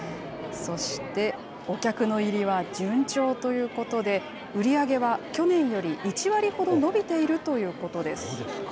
そして、お客の入りは順調ということで、売り上げは去年より１割ほど伸びているということです。